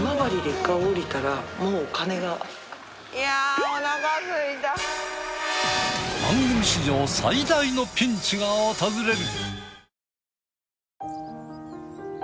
ちょっと番組史上最大のピンチが訪れる！